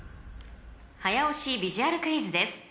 ［早押しビジュアルクイズです］